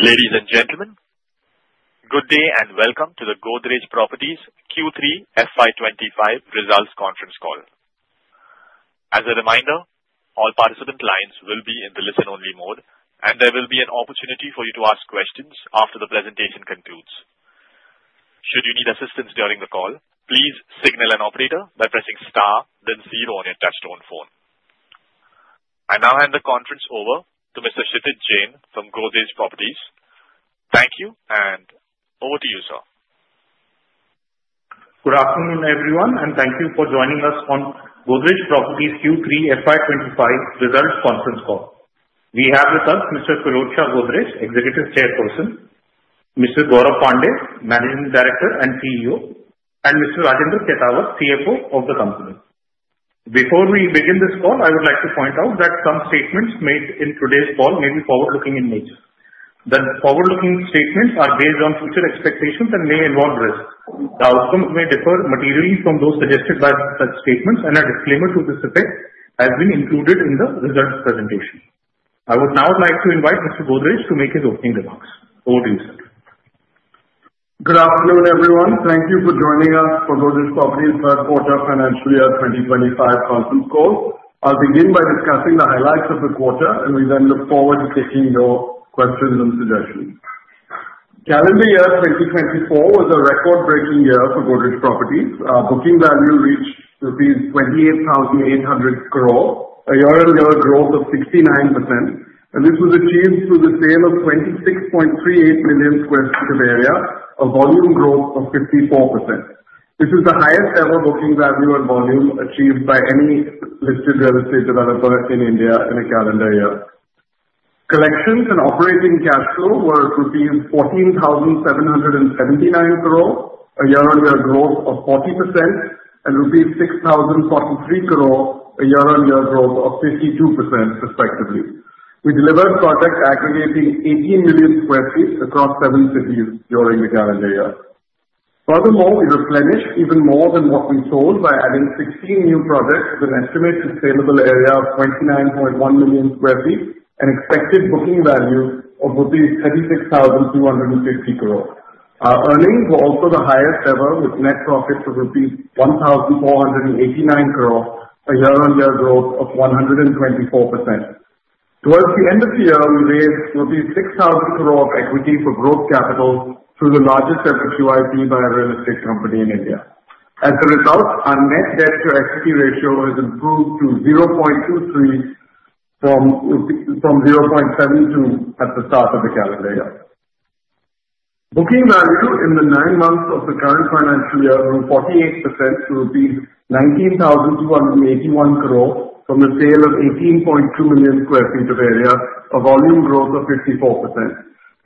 Ladies and gentlemen, good day and welcome to the Godrej Properties Q3 FY25 Results Conference Call. As a reminder, all participant lines will be in the listen-only mode, and there will be an opportunity for you to ask questions after the presentation concludes. Should you need assistance during the call, please signal an operator by pressing star, then zero on your touch-tone phone. I now hand the conference over to Mr. Kshitij Jain from Godrej Properties. Thank you, and over to you, sir. Good afternoon, everyone, and thank you for joining us on Godrej Properties Q3 FY25 Results Conference Call. We have with us Mr. Pirojsha Godrej, Executive Chairperson, Mr. Gaurav Pandey, Managing Director and CEO, and Mr. Rajendra Khetawat, CFO of the company. Before we begin this call, I would like to point out that some statements made in today's call may be forward-looking in nature. The forward-looking statements are based on future expectations and may involve risk. The outcomes may differ materially from those suggested by such statements, and a disclaimer to this effect has been included in the results presentation. I would now like to invite Mr. Godrej to make his opening remarks. Over to you, sir. Good afternoon, everyone. Thank you for joining us for Godrej Properties' Q3 financial year 2025 conference call. I'll begin by discussing the highlights of the quarter, and we then look forward to taking your questions and suggestions. Calendar year 2024 was a record-breaking year for Godrej Properties. Our booking value reached ₹28,800 crore, a year-on-year growth of 69%, and this was achieved through the sale of 26.38 million sq ft of area, a volume growth of 54%. This is the highest-ever booking value and volume achieved by any listed real estate developer in India in a calendar year. Collections and operating cash flow were ₹14,779 crore, a year-on-year growth of 40%, and ₹6,043 crore, a year-on-year growth of 52%, respectively. We delivered projects aggregating 18 million sq ft across seven cities during the calendar year. Furthermore, we replenished even more than what we sold by adding 16 new projects with an estimated saleable area of 29.1 million sq ft and expected booking value of 36,250 crore. Our earnings were also the highest ever, with net profits of rupees 1,489 crore, a year-on-year growth of 124%. Towards the end of the year, we raised 6,000 crore of equity for gross capital through the largest-ever QIP by a real estate company in India. As a result, our net debt-to-equity ratio has improved to 0.23, from 0.72 at the start of the calendar year. Booking value in the nine months of the current financial year grew 48% to rupees 19,281 crore from a sale of 18.2 million sq ft of area, a volume growth of 54%.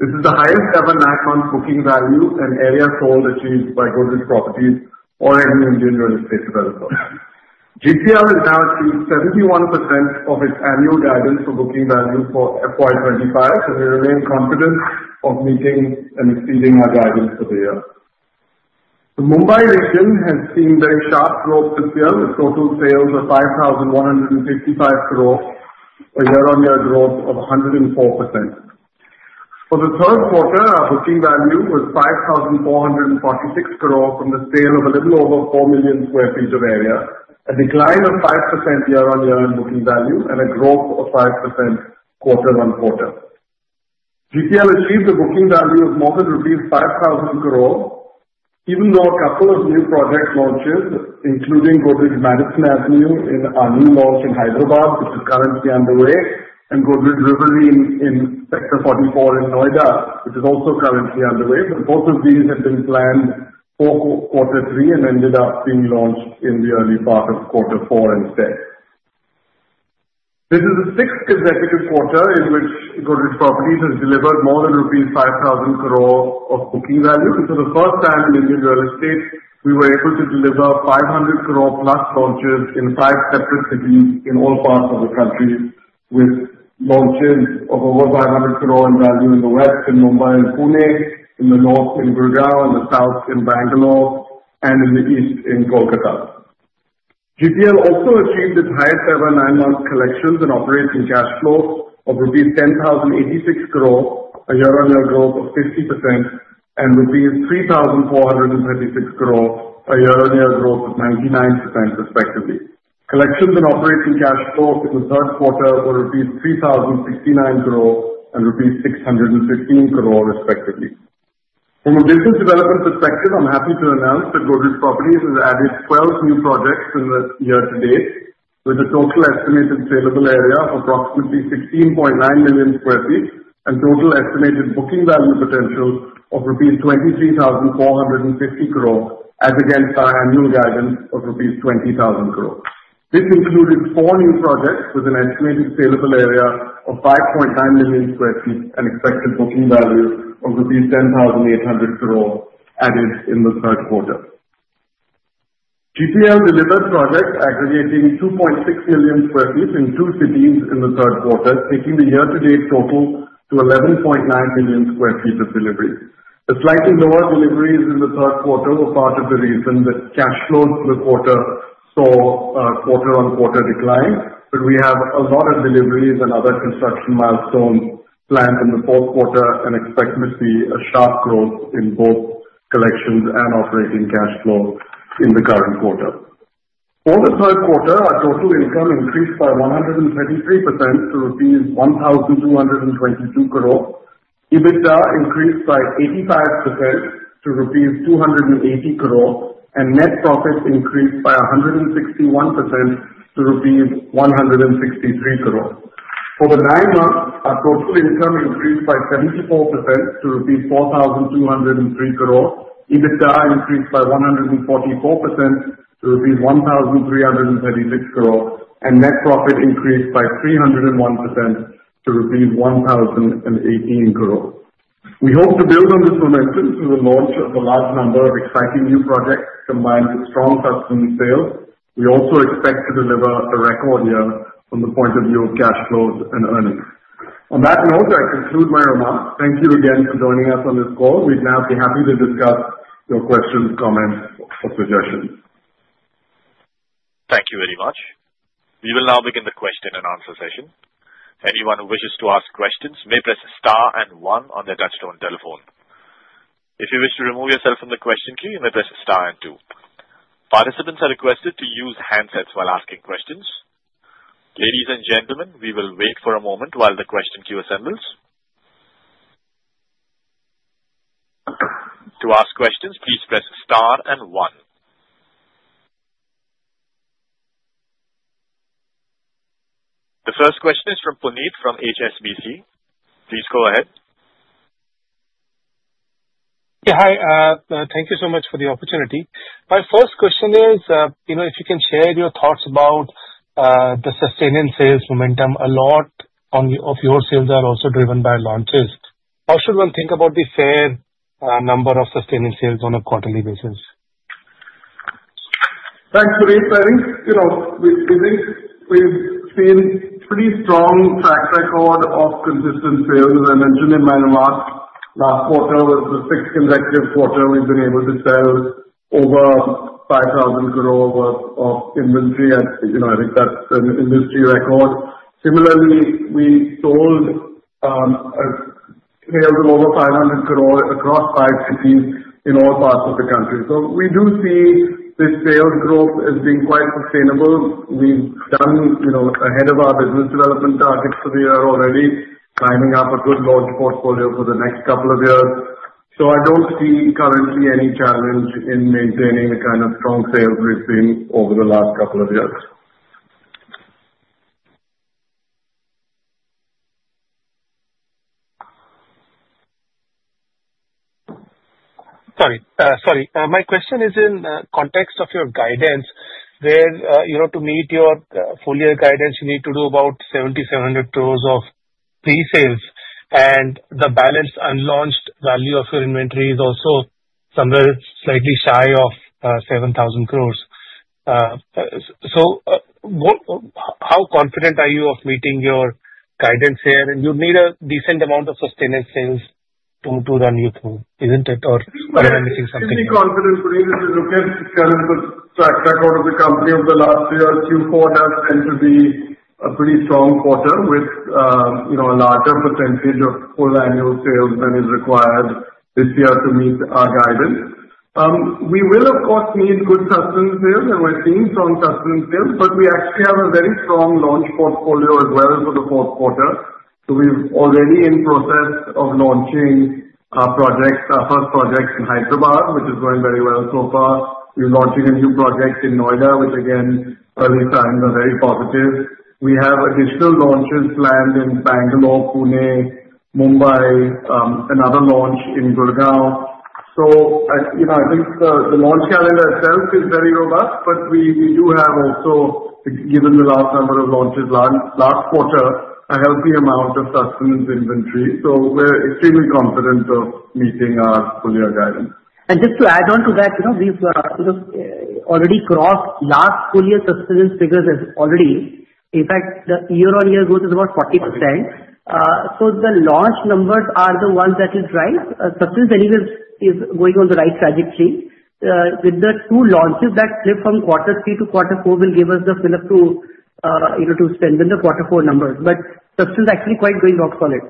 This is the highest-ever nine-month booking value and area sold achieved by Godrej Properties or any Indian real estate developer. GPL has now achieved 71% of its annual guidance for booking value for FY25, and we remain confident of meeting and exceeding our guidance for the year. The Mumbai region has seen very sharp growth this year, with total sales of 5,155 crore, a year-on-year growth of 104%. For the Q3 quarter, our booking value was 5,446 crore from the sale of a little over 4 million sq ft of area, a decline of 5% year-on-year in booking value, and a growth of 5% quarter-on-quarter. GPL achieved a booking value of more than rupees 5,000 crore, even though a couple of new projects launched, including Godrej Madison Avenue in a new launch in Hyderabad, which is currently underway, and Godrej [Reviewing] in Sector 44 in Noida, which is also currently underway. But both of these had been planned for Q3 and ended up being launched in the early part of Q4 instead. This is the sixth consecutive quarter in which Godrej Properties has delivered more than rupees 5,000 crore of booking value. For the first time in Indian real estate, we were able to deliver 500 crore-plus launches in five separate cities in all parts of the country, with launches of over 500 crore in value in the west, in Mumbai and Pune, in the north in Gurgaon, in the south in Bangalore, and in the east in Kolkata. GPL also achieved its highest-ever nine-month collections and operating cash flow of rupees 10,086 crore, a year-on-year growth of 50%, and rupees 3,436 crore, a year-on-year growth of 99%, respectively. Collections and operating cash flow in the Q3 were 3,069 crore and 615 crore, respectively. From a business development perspective, I'm happy to announce that Godrej Properties has added 12 new projects in the year to date, with a total estimated saleable area of approximately 16.9 million sq ft and total estimated booking value potential of rupees 23,450 crore, as against our annual guidance of rupees 20,000 crore. This included four new projects with an estimated saleable area of 5.9 million sq ft and expected booking value of 10,800 crore added in the Q3 quarter. GPL delivered projects aggregating 2.6 million sq ft in two cities in the Q3 quarter, taking the year-to-date total to 11.9 million sq ft of deliveries. The slightly lower deliveries in the Q3 were part of the reason that cash flow through the quarter saw quarter-on-quarter decline, but we have a lot of deliveries and other construction milestones planned in the fourth quarter, and expect to see a sharp growth in both collections and operating cash flow in the current quarter. For the Q3 quarter, our total income increased by 133% to rupees 1,222 crore, EBITDA increased by 85% to rupees 280 crore, and net profits increased by 161% to rupees 163 crore. For the nine months, our total income increased by 74% to rupees 4,203 crore, EBITDA increased by 144% to rupees 1,336 crore, and net profit increased by 301% to rupees 1,018 crore. We hope to build on this momentum through the launch of a large number of exciting new projects combined with strong customer sales. We also expect to deliver a record year from the point of view of cash flows and earnings. On that note, I conclude my remarks. Thank you again for joining us on this call. We'd now be happy to discuss your questions, comments, or suggestions. Thank you very much. We will now begin the question-and-answer session. Anyone who wishes to ask questions may press star and one on their touch-tone telephone. If you wish to remove yourself from the question queue, you may press star and two. Participants are requested to use handsets while asking questions. Ladies and gentlemen, we will wait for a moment while the question queue assembles. To ask questions, please press star and one. The first question is from Puneet from HSBC. Please go ahead. Yeah, hi. Thank you so much for the opportunity. My first question is, if you can share your thoughts about the sustained sales momentum, a lot of your sales are also driven by launches. How should one think about the fair number of sustained sales on a quarterly basis? Thanks, Pirojsha. I think we've seen a pretty strong track record of consistent sales. As I mentioned in my remarks, last quarter was the sixth consecutive quarter we've been able to sell over ₹5,000 crore worth of inventory. I think that's an industry record. Similarly, we saw sales of over ₹500 crore across five cities in all parts of the country. So we do see this sales growth as being quite sustainable We've done ahead of our business development targets for the year already, lining up a good launch portfolio for the next couple of years. So I don't see currently any challenge in maintaining the kind of strong sales we've seen over the last couple of years. Sorry my question is in the context of your guidance. To meet your full-year guidance, you need to do about ₹7,700 crore of pre-sales, and the balance unlaunched value of your inventory is also somewhere slightly shy of ₹7,000 crore. So how confident are you of meeting your guidance here? And you'd need a decent amount of sustained sales to run you through, isn't it? Or are you missing something? I'm pretty confident, Pirojsha. Looking at the track record of the company over the last year, Q4 has tended to be a pretty strong quarter with a larger percentage of full-annual sales than is required this year to meet our guidance. We will, of course, need good customer sales, and we're seeing strong customer sales, but we actually have a very strong launch portfolio as well for the fourth quarter. So we're already in process of launching our first project in Hyderabad, which is going very well so far. We're launching a new project in Noida, which, again, early signs are very positive. We have additional launches planned in Bangalore, Pune, Mumbai, another launch in Gurgaon. So I think the launch calendar itself is very robust, but we do have also, given the last number of launches last quarter, a healthy amount of customers' inventory. So we're extremely confident of meeting our full-year guidance. Just to add on to that, we've already crossed last full-year collections figures already. In fact, the year-on-year growth is about 40%. So the launch numbers are the ones that will drive collections inventory going on the right trajectory. With the two launches that slip from Q3 to Q4, will give us the fillip to spend in the Q4 numbers. But collections are actually quite doing rock solid.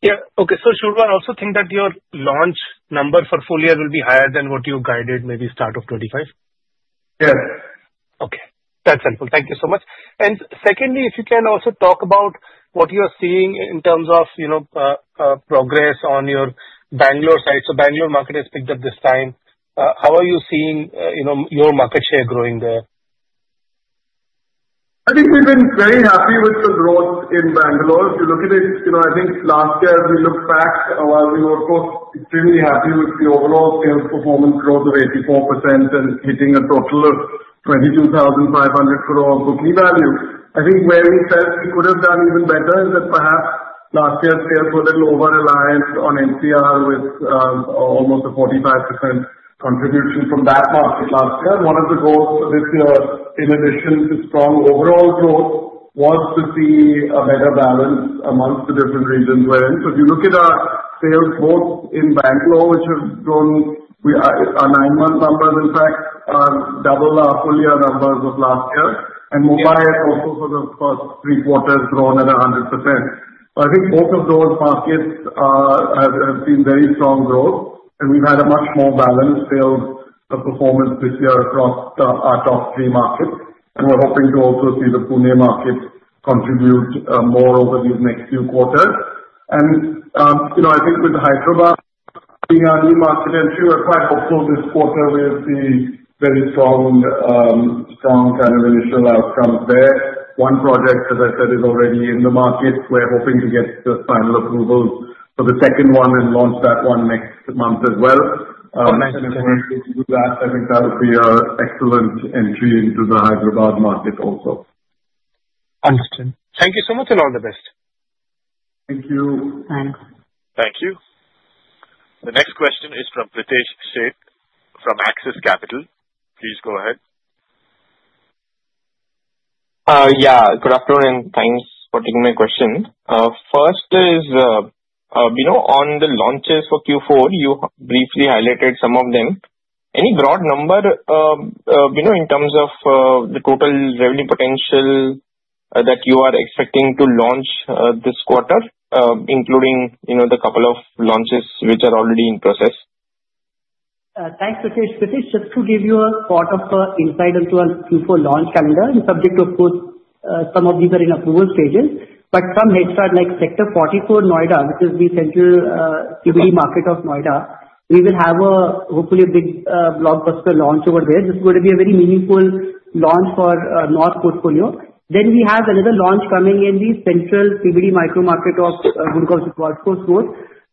Yeah. Okay. So Gaurav, also think that your launch number for full-year will be higher than what you guided maybe start of 2025? Yes. Okay. That's helpful. Thank you so much. And secondly, if you can also talk about what you are seeing in terms of progress on your Bangalore side. So Bangalore market has picked up this time. How are you seeing your market share growing there? I think we've been very happy with the growth in Bangalore. If you look at it, I think last year as we look back, we were both extremely happy with the overall sales performance growth of 84% and hitting a total of 22,500 crore booking value. I think where we felt we could have done even better is that perhaps last year's sales were a little over-reliance on NCR with almost a 45% contribution from that market last year. One of the goals for this year, in addition to strong overall growth, was to see a better balance amongst the different regions we're in. So if you look at our sales both in Bangalore, which have grown our nine-month numbers, in fact, double our full-year numbers of last year, and Mumbai has also, for the first three quarters, grown at 100%. So I think both of those markets have seen very strong growth, and we've had a much more balanced sales performance this year across our top three markets. And we're hoping to also see the Pune market contribute more over these next few quarters. And I think with Hyderabad, being our new market entry, we're quite hopeful this quarter we'll see very strong kind of initial outcomes there. One project, as I said, is already in the market. We're hoping to get the final approval for the second one and launch that one next month as well. That makes sense. If we're able to do that, I think that would be an excellent entry into the Hyderabad market also. Understood. Thank you so much and all the best. Thank you. Thanks. The next question is from Pritesh Sheth from Axis Capital. Please go ahead. Yeah. Good afternoon and thanks for taking my question. First is, on the launches for Q4, you briefly highlighted some of them. Any broad number in terms of the total revenue potential that you are expecting to launch this quarter, including the couple of launches which are already in process? Thanks, Pritesh. Pritesh, just to give you a thought of insight into our Q4 launch calendar, subject to, of course, some of these are in approval stages. But some extra, like Sector 44, Noida, which is the central [PBD] market of Noida, we will have hopefully a big blockbuster launch over there. This is going to be a very meaningful launch for North Portfolio. Then we have another launch coming in the central [PBD] micro market of Gurgaon, Sohna Road,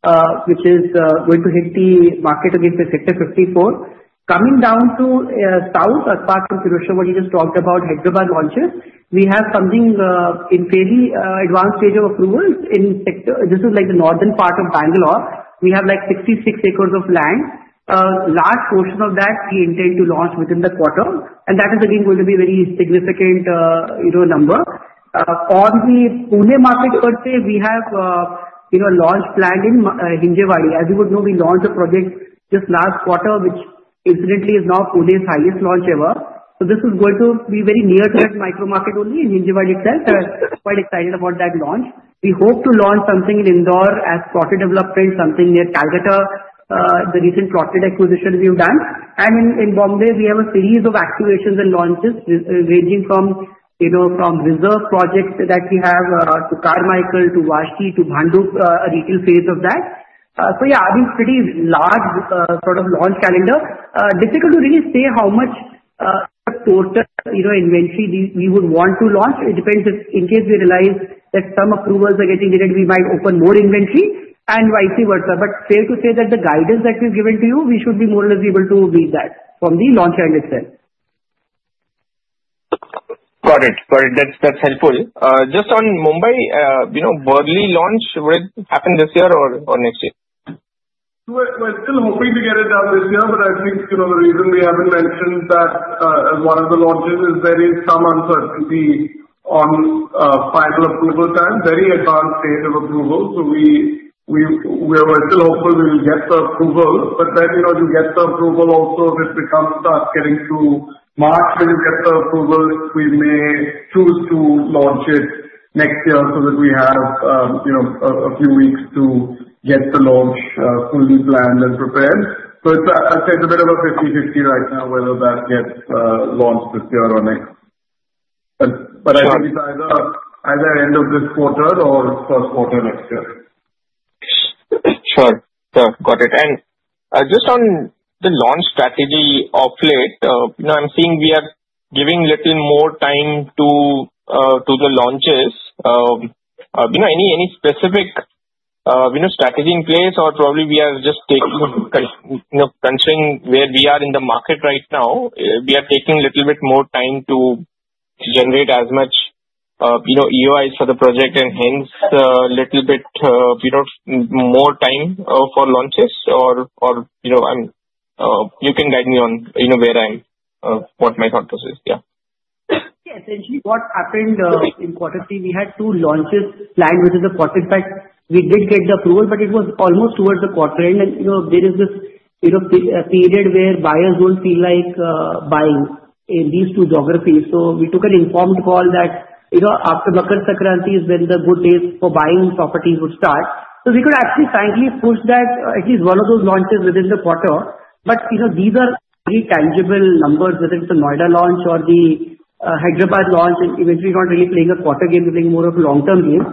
SPR, which is going to hit the market against the Sector 54. Coming down to south, apart from Pirojsha, what you just talked about, Hyderabad launches, we have something in a fairly advanced stage of approval. This is like the northern part of Bangalore. We have like 66 acres of land. Large portion of that we intend to launch within the quarter. That is, again, going to be a very significant number. On the Pune market per se, we have a launch planned in Hinjewadi. As you would know, we launched a project just last quarter, which incidentally is now Pune's highest launch ever. This is going to be very near-term micro market only in Hinjewadi itself. We're quite excited about that launch. We hope to launch something in Indore as plotted development, something near Kolkata, the recent plotted acquisition we've done. In Mumbai, we have a series of activations and launches ranging from Reserve projects that we have to Carmichael Road, to Vashi, to Bhandup, a re-launch phase of that. Yeah, I think pretty large sort of launch calendar. It is difficult to really say how much quarter inventory we would want to launch. It depends. In case we realize that some approvals are getting needed, we might open more inventory and vice versa. But, fair to say, that the guidance that we've given to you, we should be more or less able to meet that from the launch end itself. Got it. Got it. That's helpful. Just on Mumbai, Worli launch, will it happen this year or next year? We're still hoping to get it done this year, but I think the reason we haven't mentioned that as one of the launches is there is some uncertainty on final approval time. Very advanced stage of approval. So we're still hopeful we will get the approval. But then if we get the approval also, if it starts getting to March, when we get the approval, we may choose to launch it next year so that we have a few weeks to get the launch fully planned and prepared. So I'd say it's a bit of a 50/50 right now whether that gets launched this year or next. But I think it's either end of this quarter or first quarter next year. Sure. Sure. Got it. And just on the launch strategy of late, I'm seeing we are giving a little more time to the launches. Any specific strategy in place or probably we are just considering where we are in the market right now? We are taking a little bit more time to generate as much EOIs for the project and hence a little bit more time for launches? Or you can guide me on where I am, what my thought process is. Yeah. Yes. Actually, what happened in the quarter, we had two launches planned within the quarter. In fact, we did get the approval, but it was almost towards the quarter end, and there is this period where buyers don't feel like buying in these two geographies, so we took an informed call that after Makar Sankranti is when the good days for buying properties would start, so we could actually finally push that at least one of those launches within the quarter, but these are very tangible numbers whether it's the Noida launch or the Hyderabad launch, and eventually, we're not really playing a quarter game, we're playing more of a long-term game,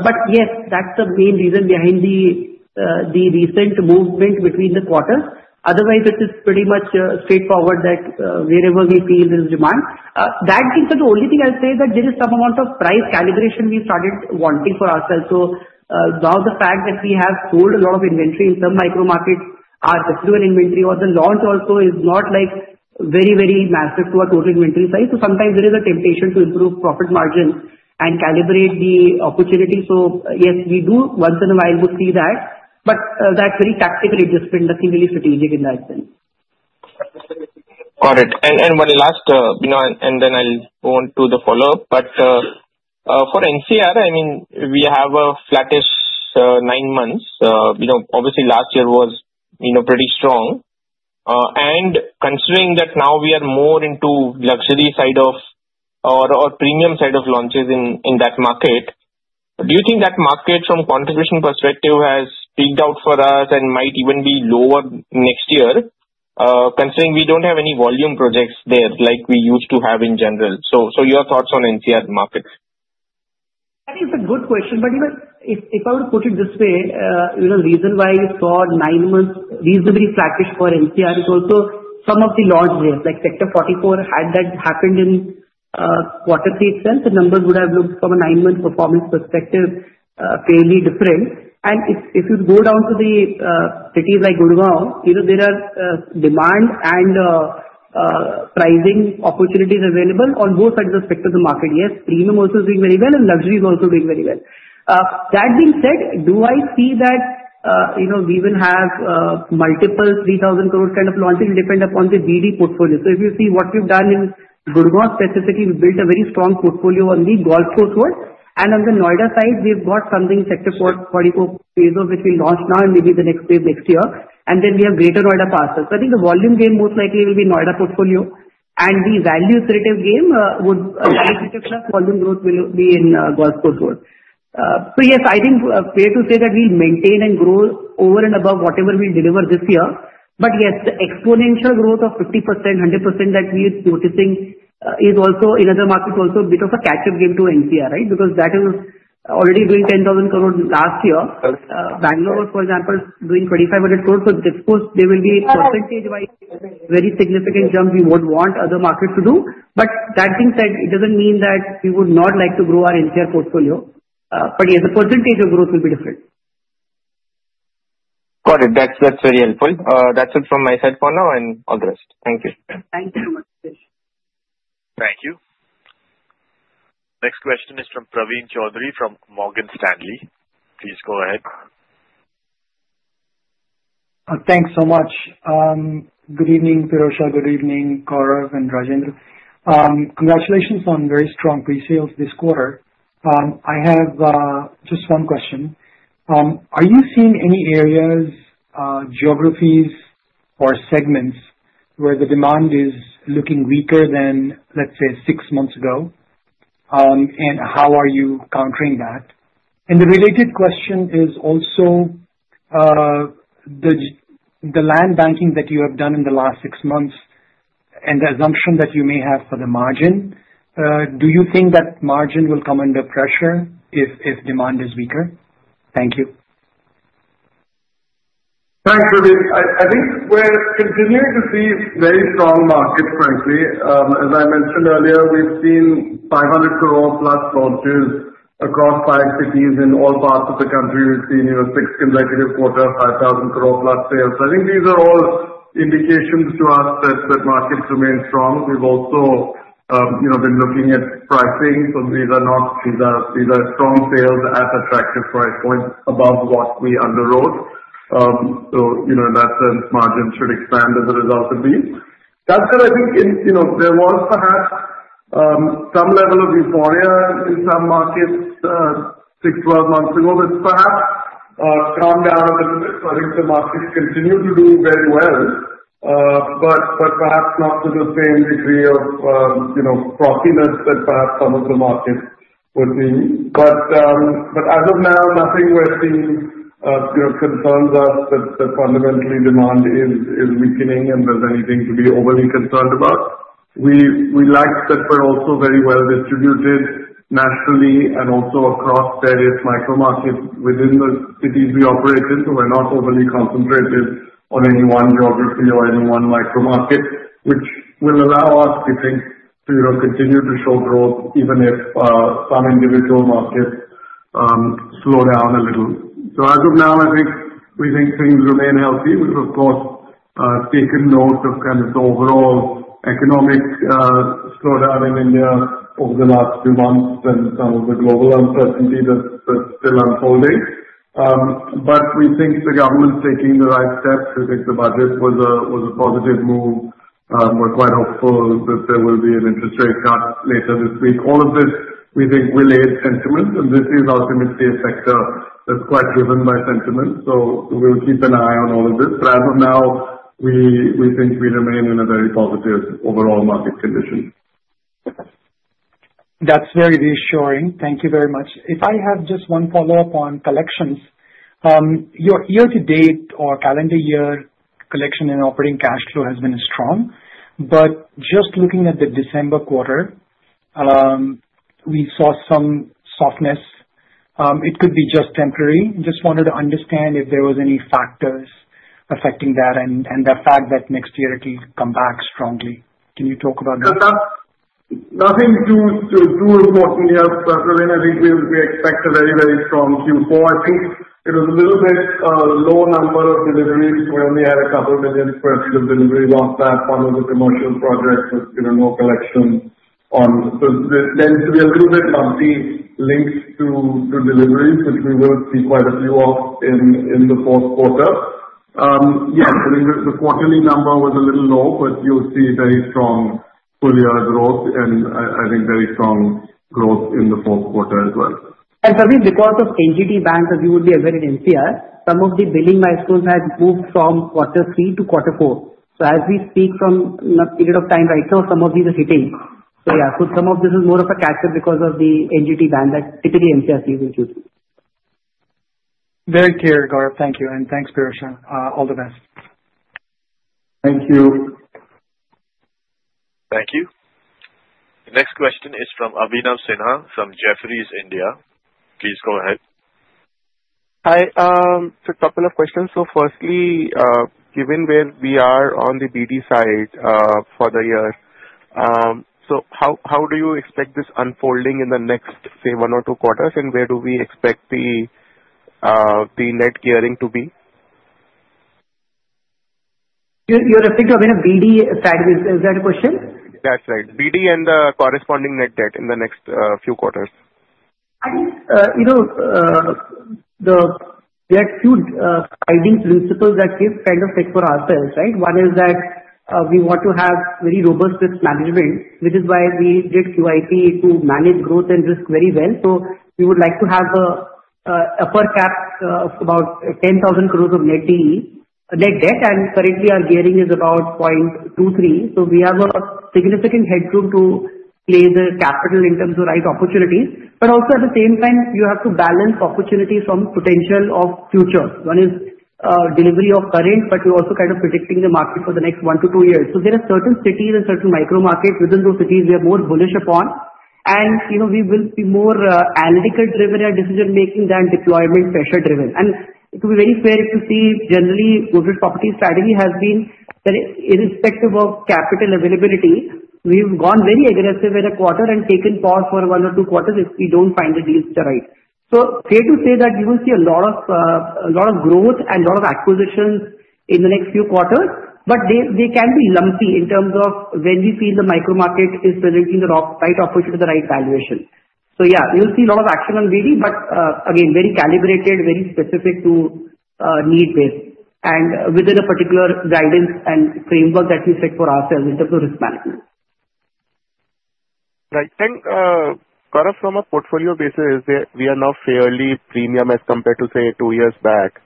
but yes, that's the main reason behind the recent movement between the quarters. Otherwise, it is pretty much straightforward that wherever we feel there is demand. That being said, the only thing I'll say is that there is some amount of price calibration we started wanting for ourselves. So now the fact that we have sold a lot of inventory in some micro markets, our residual inventory or the launch also is not very, very massive to our total inventory size. So sometimes there is a temptation to improve profit margins and calibrate the opportunity. So yes, we do once in a while see that. But that's very tactical adjustment, nothing really strategic in that sense. Got it. And one last, and then I'll go on to the follow-up. But for NCR, I mean, we have a flattish nine months. Obviously, last year was pretty strong. And considering that now we are more into luxury side of or premium side of launches in that market, do you think that market from contribution perspective has pegged out for us and might even be lower next year? Considering we don't have any volume projects there like we used to have in general. So your thoughts on NCR market? That is a good question. But if I were to put it this way, the reason why you saw nine months reasonably flattish for NCR is also some of the launches, like Sector 44, had that happened in quarter three itself, the numbers would have looked from a nine-month performance perspective fairly different. And if you go down to the cities like Gurgaon, there are demand and pricing opportunities available on both sides of the spectrum of the market. Yes, premium also is doing very well and luxury is also doing very well. That being said, do I see that we will have multiple 3,000 crore kind of launches depending upon the BD portfolio? So if you see what we've done in Gurgaon specifically, we built a very strong portfolio on the Golf Course Road. On the Noida side, we've got something in Sector 44, phase of which we launched now and maybe the next phase next year. And then we have Greater Noida parcel. So I think the volume game most likely will be Noida portfolio. And the value-accretive game would be Sector 54. Volume growth will be in Golf Course Road. So yes, I think fair to say that we'll maintain and grow over and above whatever we deliver this year. But yes, the exponential growth of 50%, 100% that we are noticing is also in other markets also a bit of a catch-up game to NCR, right? Because that is already doing 10,000 crore last year. Bangalore, for example, is doing 2,500 crore. So of course, there will be percentage-wise very significant jump we would want other markets to do. But that being said, it doesn't mean that we would not like to grow our NCR portfolio. But yes, the percentage of growth will be different. Got it. That's very helpful. That's it from my side for now and all the rest. Thank you. Thank you so much, Pritesh. Thank you. Next question is from Praveen Choudhary from Morgan Stanley. Please go ahead. Thanks so much. Good evening, Pirojsha. Good evening, Gaurav and Rajendra. Congratulations on very strong presales this quarter. I have just one question. Are you seeing any areas, geographies, or segments where the demand is looking weaker than, let's say, six months ago? And how are you countering that? And the related question is also the land banking that you have done in the last six months and the assumption that you may have for the margin. Do you think that margin will come under pressure if demand is weaker? Thank you. Thanks, Pritesh. I think we're continuing to see very strong markets, frankly. As I mentioned earlier, we've seen 500 crore plus launches across five cities in all parts of the country. We've seen six consecutive quarters, 5,000 crore plus sales. I think these are all indications to us that markets remain strong. We've also been looking at pricing. So these are strong sales at attractive price points above what we underwrote. So in that sense, margins should expand as a result of these. That said, I think there was perhaps some level of euphoria in some markets 6, 12 months ago that perhaps calmed down a little bit. So I think the markets continue to do very well, but perhaps not to the same degree of frothiness that perhaps some of the markets were seeing. But as of now, nothing we're seeing concerns us that fundamentally the demand is weakening or that there's anything to be overly concerned about. We like that we're also very well distributed nationally and also across various micro markets within the cities we operate in. So we're not overly concentrated on any one geography or any one micro market, which will allow us, we think, to continue to show growth even if some individual markets slow down a little. So as of now, I think we think things remain healthy, which, of course, we have taken note of kind of the overall economic slowdown in India over the last few months and some of the global uncertainty that's still unfolding. But we think the government's taking the right steps. I think the budget was a positive move. We're quite hopeful that there will be an interest rate cut later this week. All of this, we think, will aid sentiment. And this is ultimately a sector that's quite driven by sentiment. So we'll keep an eye on all of this. But as of now, we think we remain in a very positive overall market condition. That's very reassuring. Thank you very much. If I have just one follow-up on collections. Year to date or calendar year, collection and operating cash flow has been strong. But just looking at the December quarter, we saw some softness. It could be just temporary. Just wanted to understand if there were any factors affecting that and the fact that next year it'll come back strongly. Can you talk about that? Nothing too important yet, Praveen. I think we expect a very, very strong Q4. I think it was a little bit low number of deliveries. We only had a couple of million square feet of delivery last time. One of the commercial projects has no collections. So there tends to be a little bit bumpiness linked to deliveries, which we will see quite a few of in the fourth quarter. Yes, I think the quarterly number was a little low, but you'll see very strong full year growth and I think very strong growth in the fourth quarter as well. Praveen, because of NGT ban, as you would be aware, in NCR, some of the billing milestones have moved from quarter three to quarter four. So as we speak from the period of time right now, some of these are hitting. So yeah, so some of this is more of a catch-up because of the NGT ban that hit the NCR region too. Very clear, Gaurav. Thank you. And thanks, Pirojsha. All the best. Thank you. Thank you. The next question is from Abhinav Sinha from Jefferies, India. Please go ahead. Hi. So a couple of questions. So firstly, given where we are on the BD side for the year, so how do you expect this unfolding in the next, say, one or two quarters? And where do we expect the net gearing to be? You're referring to BD strategies. Is that a question? That's right. BD and the corresponding net debt in the next few quarters. I think there are a few guiding principles that give kind of take for ourselves, right? One is that we want to have very robust risk management, which is why we did QIP to manage growth and risk very well. So we would like to have an upper cap of about 10,000 crores of net debt, and currently, our gearing is about 0.23. So we have a significant headroom to play the capital in terms of right opportunity, but also at the same time, you have to balance opportunity from potential of future. One is delivery of current, but you're also kind of predicting the market for the next one to two years. So there are certain cities and certain micro markets within those cities we are more bullish upon, and we will be more analytical driven in our decision-making than deployment pressure driven. To be very fair, if you see, generally, corporate property strategy has been that irrespective of capital availability, we've gone very aggressive in a quarter and taken pause for one or two quarters if we don't find the deals that are right. So fair to say that you will see a lot of growth and a lot of acquisitions in the next few quarters. But they can be lumpy in terms of when we feel the micro market is presenting the right opportunity to the right valuation. So yeah, you'll see a lot of action on BD, but again, very calibrated, very specific to need-based and within a particular guidance and framework that we set for ourselves in terms of risk management. Right. And Corkery, from a portfolio basis, we are now fairly premium as compared to, say, two years back.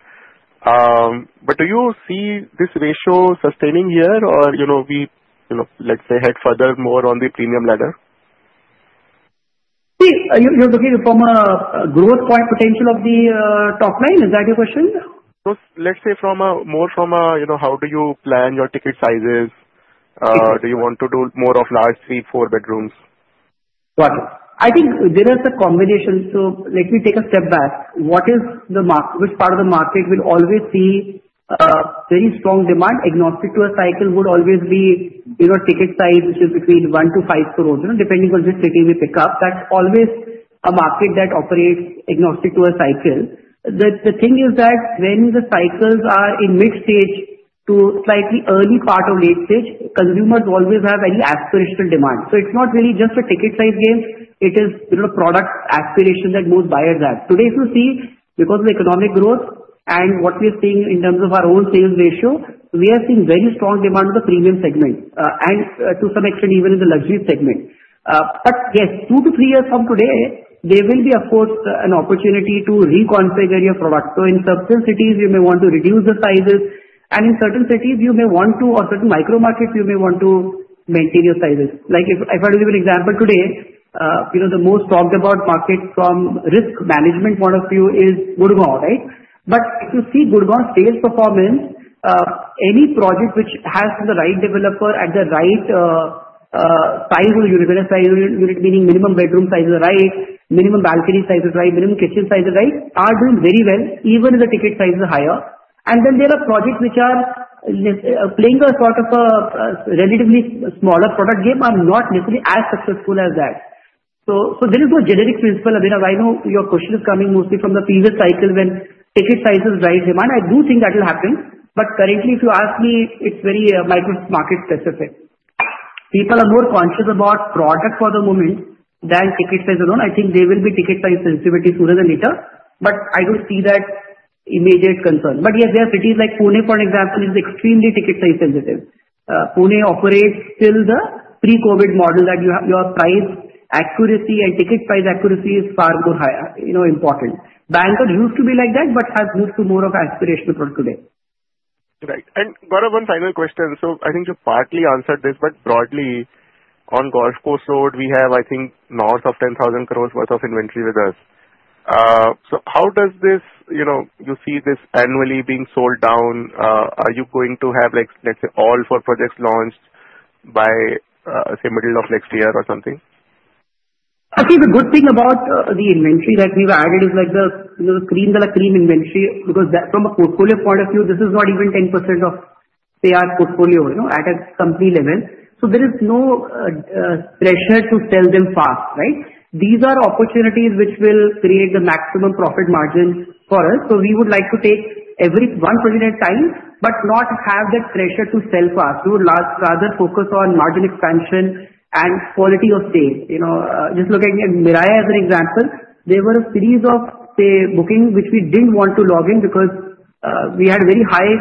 But do you see this ratio sustaining here or we, let's say, head further more on the premium ladder? See, you're looking from a growth point potential of the top line. Is that your question? Let's say more from a, how do you plan your ticket sizes? Do you want to do more of large three, four bedrooms? Got it. I think there is a combination. So let me take a step back. Which part of the market will always see very strong demand agnostic to a cycle would always be ticket size, which is between one to five crores, depending on which ticket we pick up. That's always a market that operates agnostic to a cycle. The thing is that when the cycles are in mid-stage to slightly early part of late stage, consumers always have any aspirational demand. So it's not really just a ticket size game. It is a product aspiration that most buyers have. Today, you see, because of economic growth and what we are seeing in terms of our own sales ratio, we have seen very strong demand in the premium segment and to some extent even in the luxury segment. But yes, two to three years from today, there will be, of course, an opportunity to reconfigure your product. So in certain cities, you may want to reduce the sizes. And in certain cities, you may want to, or certain micro markets, you may want to maintain your sizes. Like if I give you an example today, the most talked about market from risk management point of view is Gurgaon, right? But if you see Gurgaon's sales performance, any project which has the right developer at the right size of the unit, meaning minimum bedroom size is right, minimum balcony size is right, minimum kitchen size is right, are doing very well even if the ticket size is higher. And then there are projects which are playing a sort of a relatively smaller product game are not necessarily as successful as that. So there is no generic principle. Abhinav, I know your question is coming mostly from the previous cycle when ticket size is right demand. I do think that will happen, but currently, if you ask me, it's very micro market specific. People are more conscious about product for the moment than ticket size alone. I think there will be ticket size sensitivity sooner than later, but I don't see that immediate concern, but yes, there are cities like Pune, for example, is extremely ticket size sensitive. Pune operates still the pre-COVID model that your price accuracy and ticket price accuracy is far more important. Bangkok used to be like that, but has moved to more of aspirational product today. Right. And Gaurav, one final question. So I think you partly answered this, but broadly, on Golf Course Road, we have, I think, north of 10,000 crores worth of inventory with us. So how do you see this annually being sold down? Are you going to have, let's say, all four projects launched by, say, middle of next year or something? I think the good thing about the inventory that we've added is like the crème de la crème inventory because from a portfolio point of view, this is not even 10% of, say, our portfolio at a company level. So there is no pressure to sell them fast, right? These are opportunities which will create the maximum profit margin for us. So we would like to take every one project at a time, but not have that pressure to sell fast. We would rather focus on margin expansion and quality of sale. Just look at Miraya as an example. There were a series of, say, bookings which we didn't want to log in because we had very high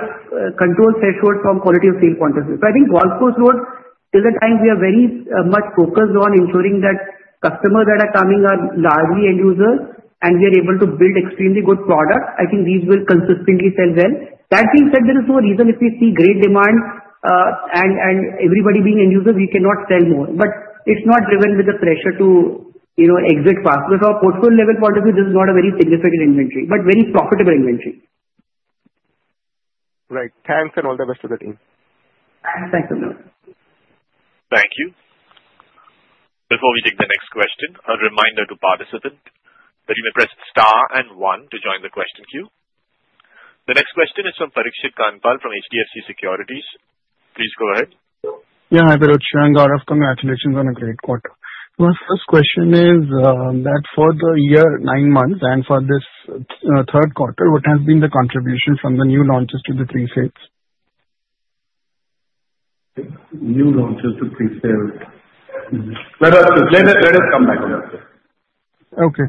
control thresholds from quality of sale point of view. So I think Golf Course Road, till the time we are very much focused on ensuring that customers that are coming are largely end users and we are able to build extremely good products, I think these will consistently sell well. That being said, there is no reason if we see great demand and everybody being end users, we cannot sell more. But it's not driven with the pressure to exit fast. From a portfolio level point of view, this is not a very significant inventory, but very profitable inventory. Right. Thanks and all the best to the team. Thanks. Thanks, Praveen. Thank you. Before we take the next question, a reminder to participants that you may press star and one to join the question queue. The next question is from Parikshit Kandpal from HDFC Securities. Please go ahead. Yeah. Hi, Pirojsha. Gaurav, congratulations on a great quarter. My first question is that for the year nine months and for this Q3 quarter, what has been the contribution from the new launches to the pre-sales New launches to pre-sales. Let us come back to that. Okay.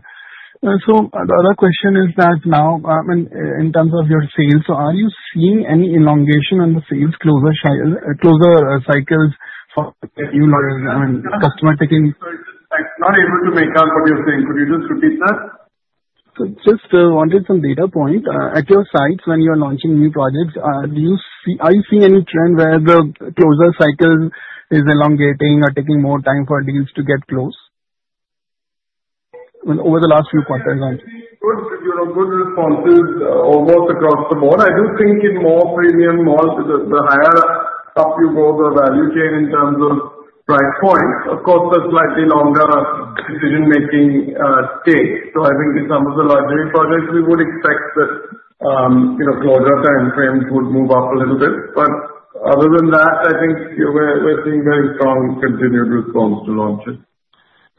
So the other question is that now, I mean, in terms of your sales, so are you seeing any elongation on the sales closure cycles for new launches? I mean, customer taking. Not able to make out what you're saying. Could you just repeat that? Just wanted some data point. At your sites, when you're launching new projects, are you seeing any trend where the closure cycle is elongating or taking more time for deals to get closed? Over the last few quarters, I'm. Good responses almost across the board. I do think in more premium markets, the higher up you go the value chain in terms of price points. Of course, there's slightly longer decision-making time. So I think in some of the luxury projects, we would expect that closure time frames would move up a little bit. But other than that, I think we're seeing very strong continued response to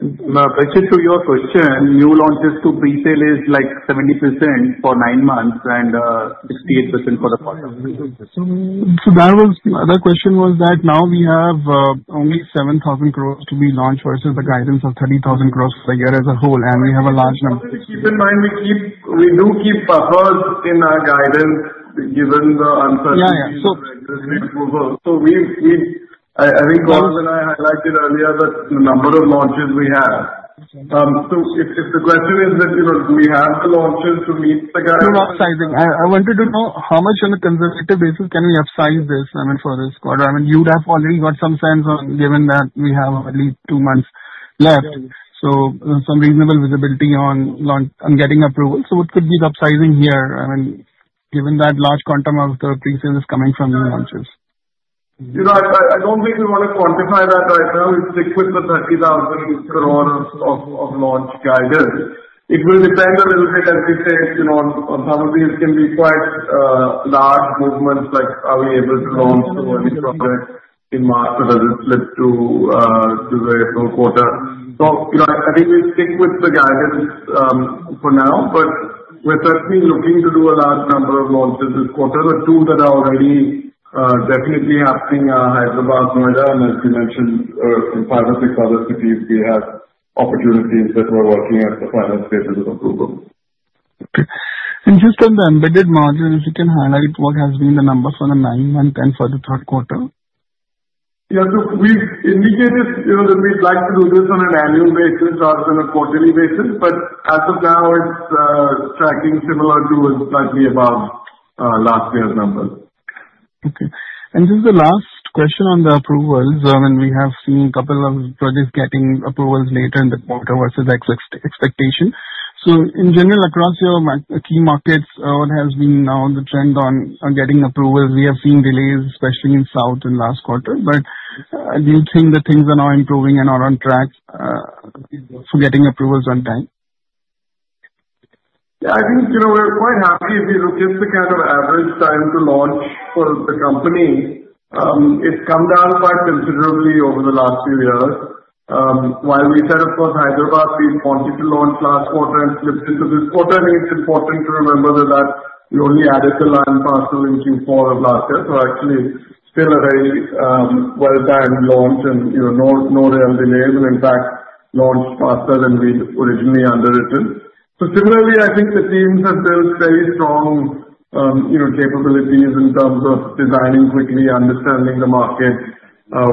launches. Pritesh, to your question, new launches to pre-sale is like 70% for nine months and 68% for the quarter. So the other question was that now we have only 7,000 crores to be launched versus the guidance of 30,000 crores for the year as a whole. And we have a large number. Keep in mind we do keep buffers in our guidance given the uncertainty of regulatory approval. So I think Gaurav and I highlighted earlier that the number of launches we have. So if the question is that do we have the launches to meet the guidance? No upsizing. I wanted to know how much on a conservative basis can we upsize this for this quarter? I mean, you'd have already got some sense on given that we have at least two months left, so some reasonable visibility on getting approval. So what could be the upsizing here, I mean, given that large quantum of the pre-sales is coming from new launches? I don't think we want to quantify that right now. We stick with the INR 30,000 crore of launch guidance. It will depend a little bit, as we said. Some of these can be quite large movements, like are we able to launch to any project in March or does it slip to the April quarter? So I think we stick with the guidance for now. But we're certainly looking to do a large number of launches this quarter. The two that are already definitely happening are Hyderabad, Noida, and as you mentioned, five or six other cities, we have opportunities that we're working at the final stages of approval. Okay. And just on the embedded margin, if you can highlight what has been the numbers for the nine and ten for the Q3 quarter? Yeah. So we've indicated that we'd like to do this on an annual basis rather than a quarterly basis. But as of now, it's tracking similar to slightly above last year's numbers. Okay. And just the last question on the approvals. I mean, we have seen a couple of projects getting approvals later in the quarter versus expectation. So in general, across your key markets, what has been now the trend on getting approvals? We have seen delays, especially in south in last quarter. But do you think that things are now improving and are on track for getting approvals on time? Yeah. I think we're quite happy if you look at the kind of average time to launch for the company. It's come down quite considerably over the last few years. While we said, of course, Hyderabad, we wanted to launch last quarter and slipped into this quarter, I think it's important to remember that we only added the land parcel in Q4 of last year. So actually, still a very well-timed launch and no real delays. And in fact, launched faster than we'd originally underwritten. So similarly, I think the teams have built very strong capabilities in terms of designing quickly, understanding the market,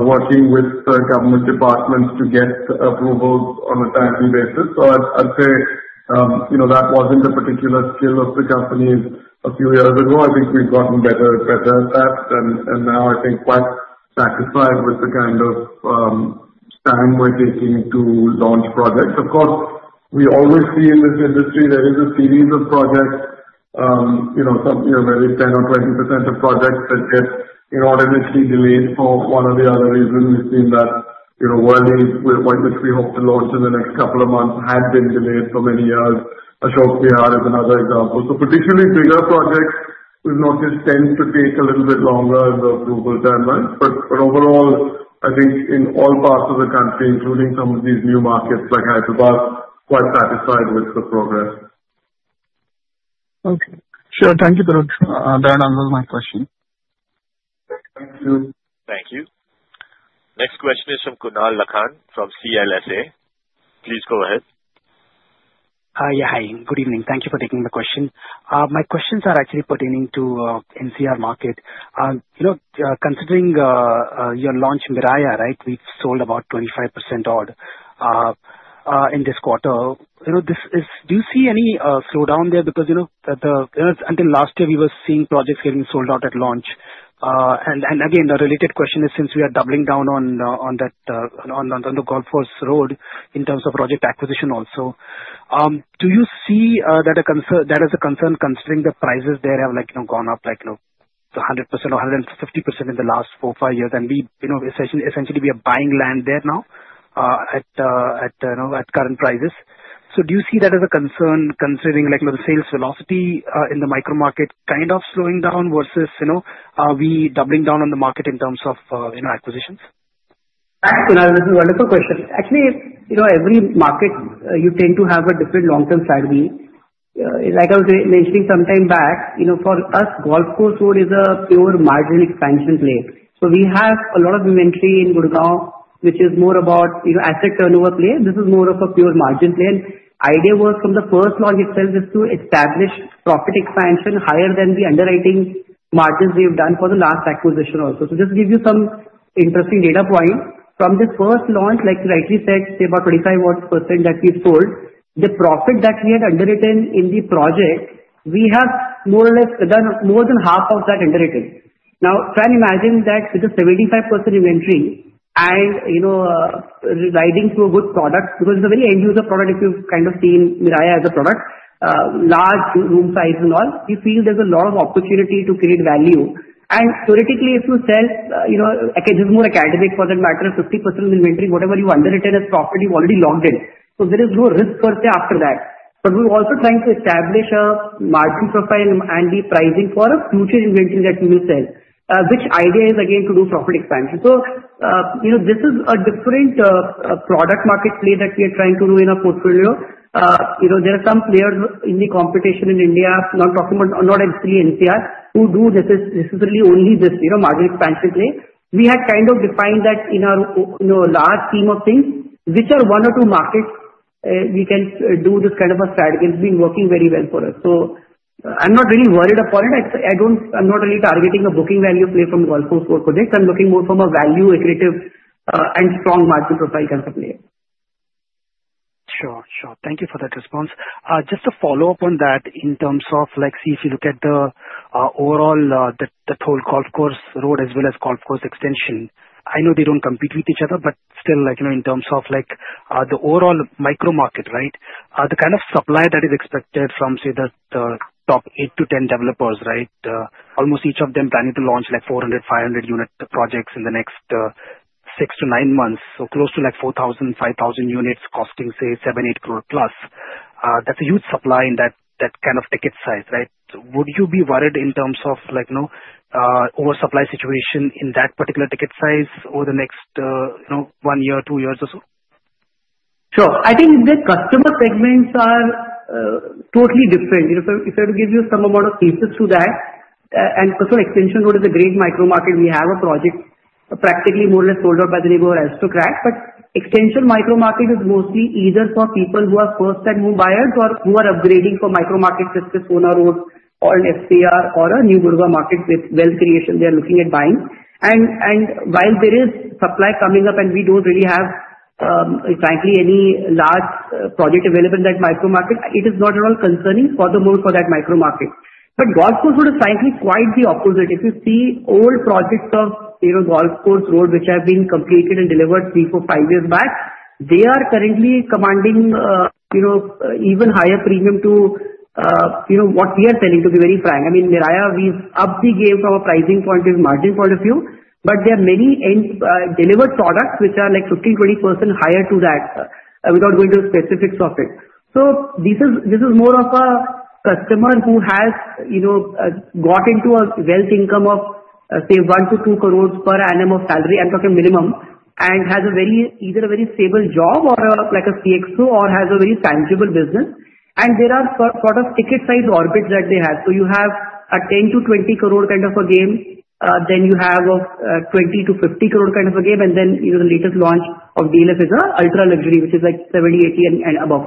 working with government departments to get approvals on a timely basis. So I'd say that wasn't a particular skill of the company's a few years ago. I think we've gotten better at that. And now I think quite satisfied with the kind of time we're taking to launch projects. Of course, we always see in this industry there is a series of projects, maybe 10% or 20% of projects that get inordinately delayed for one or the other reason. We've seen that Worli, which we hope to launch in the next couple of months, had been delayed for many years. Ashok Vihar is another example. So particularly bigger projects, we've noticed tend to take a little bit longer in the approval timelines. But overall, I think in all parts of the country, including some of these new markets like Hyderabad, quite satisfied with the progress. Okay. Sure. Thank you, Pirojsha. That answers my question. Thank you. Thank you. Next question is from Kunal Lakhan from CLSA. Please go ahead. Yeah. Hi. Good evening. Thank you for taking the question. My questions are actually pertaining to NCR market. Considering your launch Miraya, right, we've sold about 25% odd in this quarter. Do you see any slowdown there? Because until last year, we were seeing projects getting sold out at launch. And again, a related question is since we are doubling down on that on the Golf Course Road in terms of project acquisition also, do you see that as a concern considering the prices there have gone up like 100% or 150% in the last four, five years? And essentially, we are buying land there now at current prices. So do you see that as a concern considering the sales velocity in the micro market kind of slowing down versus are we doubling down on the market in terms of acquisitions? Thanks, Kunal. This is a wonderful question. Actually, every market, you tend to have a different long-term strategy. Like I was mentioning some time back, for us, Golf Course Road is a pure margin expansion play. So we have a lot of inventory in Gurgaon, which is more about asset turnover play. This is more of a pure margin play. And idea was from the first launch itself is to establish profit expansion higher than the underwriting margins we've done for the last acquisition also. So just to give you some interesting data point, from the first launch, like you rightly said, say about 25% that we sold, the profit that we had underwritten in the project, we have more or less done more than half of that underwritten. Now, try and imagine that with a 75% inventory and riding through a good product because it's a very end user product if you've kind of seen Miraya as a product, large room size and all, you feel there's a lot of opportunity to create value. And theoretically, if you sell again, this is more academic for that matter, 50% inventory, whatever you underwritten as profit, you've already logged in. So there is no risk per se after that. But we're also trying to establish a margin profile and the pricing for a future inventory that we will sell, which idea is again to do profit expansion. So this is a different product market play that we are trying to do in our portfolio. There are some players in the competition in India, not talking about not exclusively NCR, who do necessarily only this margin expansion play. We had kind of defined that in our last time we discussed things, which are one or two markets we can do this kind of a strategy has been working very well for us. So I'm not really worried about it. I'm not really targeting a booking value play from Golf Course Road for this. I'm looking more from a value-accretive and strong margin profile kind of play. Sure. Sure. Thank you for that response. Just to follow up on that in terms of if you look at the overall whole Golf Course Road as well as Golf Course Extension, I know they don't compete with each other, but still in terms of the overall micro market, right, the kind of supply that is expected from, say, the top eight to 10 developers, right, almost each of them planning to launch like 400, 500 unit projects in the next six to nine months, so close to like 4,000, 5,000 units costing, say, 7-8 crore plus. That's a huge supply in that kind of ticket size, right? Would you be worried in terms of oversupply situation in that particular ticket size over the next one year, two years or so? Sure. I think the customer segments are totally different. If I were to give you some amount of cases to that, and Golf Course Extension Road is a great micro market. We have a project practically more or less sold out in the neighborhood as to that. But Extension micro market is mostly either for people who are first-time home buyers or who are upgrading from micro markets such as Sohna Road or an SPR or a new Gurgaon market with wealth creation they are looking at buying. And while there is supply coming up and we don't really have, frankly, any large project available in that micro market, it is not at all concerning for that micro market. But Golf Course Road is frankly quite the opposite. If you see old projects of Golf Course Road, which have been completed and delivered three, four, five years back, they are currently commanding even higher premium to what we are selling, to be very frank. I mean, Miraya, we've upped the game from a pricing point of view, margin point of view, but there are many delivered products which are like 15%-20% higher to that without going to the specifics of it. So this is more of a customer who has got into a wealth income of, say, one to two crores per annum of salary, I'm talking minimum, and has either a very stable job or a CXO or has a very tangible business. And there are sort of ticket-sized orbits that they have. You have a 10-20 crore kind of a game, then you have a 20-50 crore kind of a game, and then the latest launch of DLF is an ultra luxury, which is like 70, 80 and above.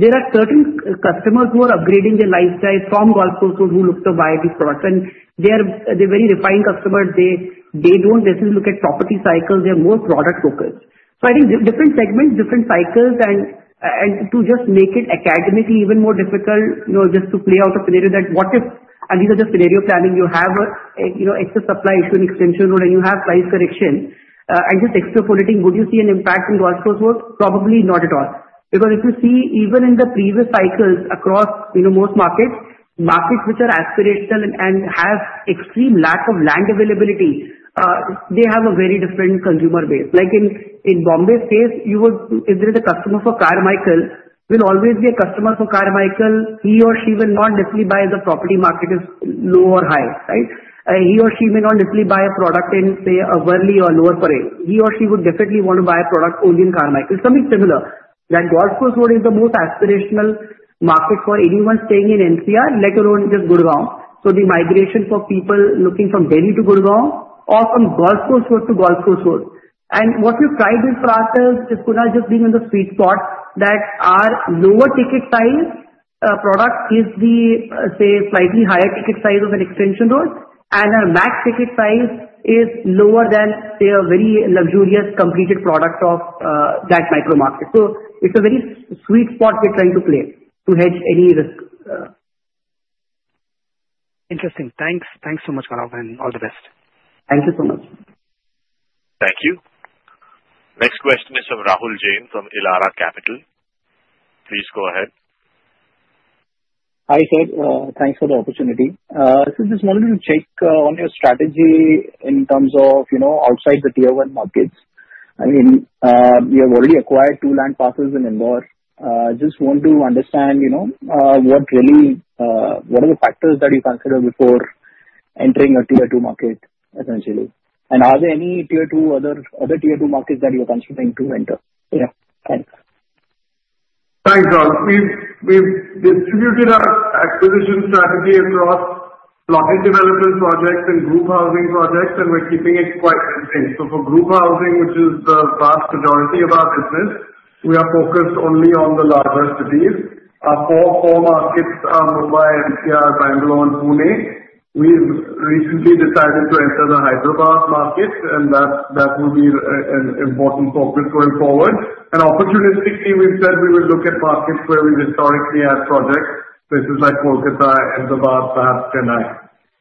There are certain customers who are upgrading their lifestyle from Golf Course Road who look to buy these products. And they're very refined customers. They don't necessarily look at property cycles. They're more product focused. I think different segments, different cycles, and to just make it academically even more difficult just to play out a scenario that what if, and these are just scenario planning, you have extra supply issue in Golf Course Extension Road and you have price correction and just extrapolating, would you see an impact in Golf Course Road? Probably not at all. Because if you see, even in the previous cycles across most markets, markets which are aspirational and have extreme lack of land availability, they have a very different consumer base. Like in Mumbai's case, if there is a customer for Carmichael, there will always be a customer for Carmichael. He or she will not necessarily buy if the property market is low or high, right? He or she may not necessarily buy a product in, say, a Worli or a Lower Parel. He or she would definitely want to buy a product only in Carmichael. Something similar. That Golf Course Road is the most aspirational market for anyone staying in NCR, let alone just Gurgaon. So the migration for people looking from Delhi to Gurgaon or from Golf Course Road to Golf Course Road. And what we've tried is for ourselves, just Kunal just being on the sweet spot, that our lower ticket size product is the, say, slightly higher ticket size of an Extension Road, and our max ticket size is lower than, say, a very luxurious completed product of that micro market. So it's a very sweet spot we're trying to play to hedge any risk. Interesting. Thanks. Thanks so much, Gauravan. All the best. Thank you so much. Thank you. Next question is from Rahool Jain from Elara Capital. Please go ahead Hi, sir. Thanks for the opportunity. So just wanted to check on your strategy in terms of outside the tier one markets. I mean, you have already acquired two land parcels in Indore. Just want to understand what are the factors that you considered before entering a tier two market, essentially? And are there any other tier two markets that you're considering to enter? Yeah. Thanks. Thanks, Rahul. We've distributed our acquisition strategy across plotted development projects and group housing projects, and we're keeping it quite simple. So for group housing, which is the vast majority of our business, we are focused only on the larger cities. Our four core markets are Mumbai, NCR, Bangalore, and Pune. We've recently decided to enter the Hyderabad market, and that will be an important focus going forward. And opportunistically, we've said we will look at markets where we've historically had projects, places like Kolkata, Ahmedabad, perhaps Chennai.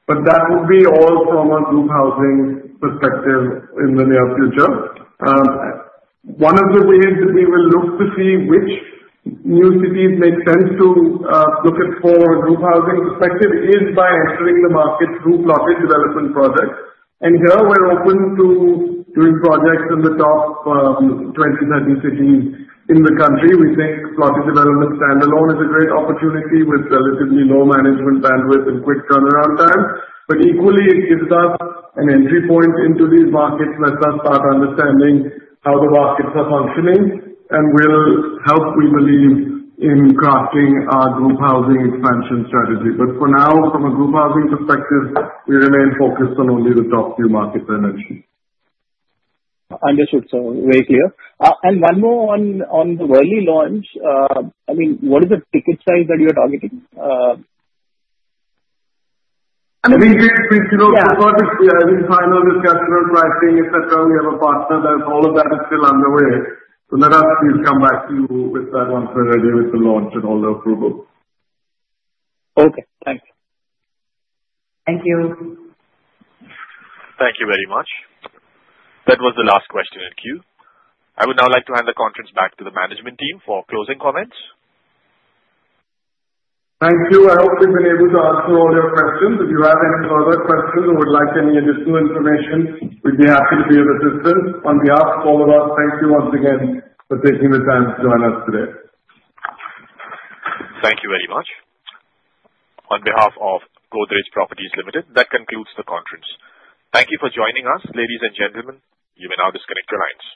But that will be all from a group housing perspective in the near future. One of the ways that we will look to see which new cities make sense to look at for a group housing perspective is by entering the market through plotted development projects. And here, we're open to doing projects in the top 20, 30 cities in the country. We think plotted development standalone is a great opportunity with relatively low management bandwidth and quick turnaround time. But equally, it gives us an entry point into these markets and lets us start understanding how the markets are functioning and will help, we believe, in crafting our group housing expansion strategy. But for now, from a group housing perspective, we remain focused on only the top few markets I mentioned. Understood. So very clear. And one more on the Worli launch. I mean, what is the ticket size that you are targeting? I mean, please do not disclose. If we final discussion on pricing, etc., we have a partner that all of that is still underway. So let us please come back to you with that once we're ready with the launch and all the approval. Okay. Thanks. Thank you. Thank you very much. That was the last question in queue. I would now like to hand the conference back to the management team for closing comments. Thank you. I hope we've been able to answer all your questions. If you have any further questions or would like any additional information, we'd be happy to be of assistance. On behalf of all of us, thank you once again for taking the time to join us today. Thank you very much. On behalf of Godrej Properties Limited, that concludes the conference. Thank you for joining us, ladies and gentlemen. You may now disconnect your lines.